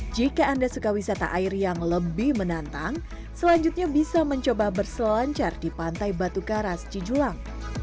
jika anda suka wisata air yang lebih menantang selanjutnya bisa mencoba berselancar di pantai batu karas cijulang